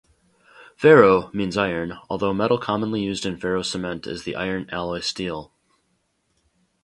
Ferro- means iron although metal commonly used in ferro-cement is the iron alloy steel.